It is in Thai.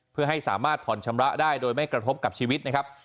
เพื่อให้สามารถผ่อนชำระได้โดยไม่กระทบกับชีวิตนะครับ